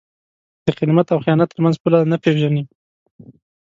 د خدمت او خیانت تر منځ پوله نه پېژني.